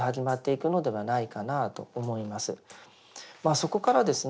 そこからですね